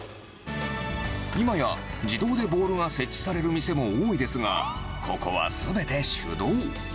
いまや自動でボールが設置される店も多いですが、ここはすべて手動。